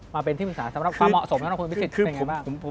มาเป็นที่มึงสามารถความเหมาะสมกับคุณพิสิทธิ์เป็นยังไงบ้าง